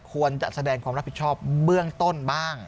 ควรจะแสดงความรับผิดชอบเบื้องต้นบ้าง